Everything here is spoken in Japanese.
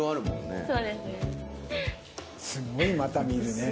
すごいまた見るね。